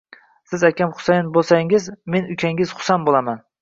Siz akam Husan bo`lsangiz, men ukangiz Husan bo`lsam